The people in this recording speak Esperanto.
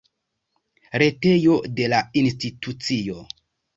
Retejo de la institucio.